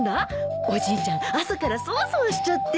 おじいちゃん朝からそわそわしちゃって。